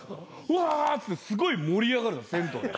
「うわ！」ってすごい盛り上がる銭湯で。